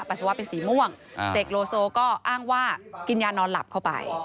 สาวะเป็นสีม่วงเสกโลโซก็อ้างว่ากินยานอนหลับเข้าไป